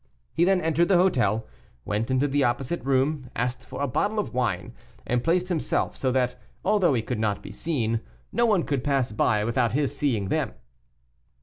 He then entered the hotel, went into the opposite room, asked for a bottle of wine, and placed himself so that, although he could not be seen, no one could pass by without his seeing them.